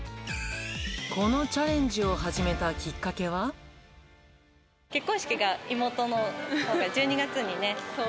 このチャレンジを始めたきっ結婚式が、妹のほうが１２月そう。